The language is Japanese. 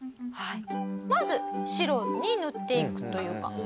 まず白に塗っていくというか。